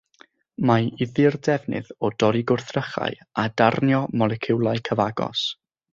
Mae iddi'r defnydd o dorri gwrthrychau a darnio moleciwlau cyfagos.